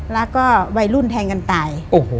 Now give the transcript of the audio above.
แล้วก็วัยรุ่นแทงกันตาย